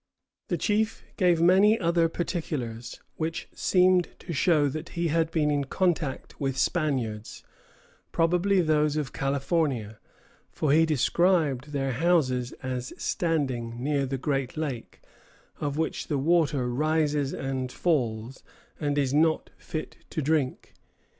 The chief gave many other particulars, which seemed to show that he had been in contact with Spaniards, probably those of California; for he described their houses as standing near the great lake, of which the water rises and falls and is not fit to drink.